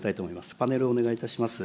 パネルをお願いいたします。